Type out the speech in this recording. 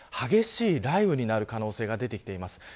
激しい雷雨になる可能性があります。